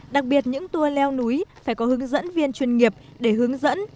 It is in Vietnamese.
đặc biệt những tour leo núi phải có hướng dẫn viên chuyên nghiệp để hướng dẫn